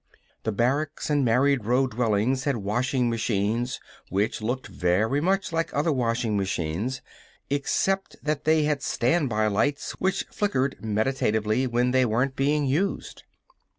The barracks and married row dwellings had washing machines which looked very much like other washing machines, except that they had standby lights which flickered meditatively when they weren't being used.